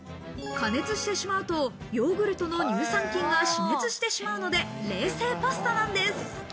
加熱してしまうとヨーグルトの乳酸菌が死滅してしまうので、冷製パスタなんです。